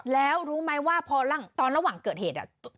แล้วรู้ไหมว่าพอตอนระหว่างเกิดเหตุ